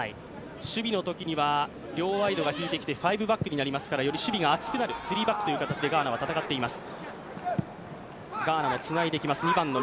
守備のときは、サイドが引いてワイドになりますからより守備が厚くなる３バックという形でガーナ戦っています。